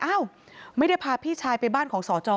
อ้าวไม่ได้พาพี่ชายไปบ้านของสจ